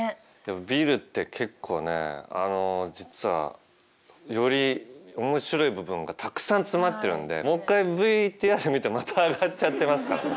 ビルって結構ねあの実はより面白い部分がたくさん詰まってるんでもう一回ＶＴＲ見てまたアガっちゃってますからね。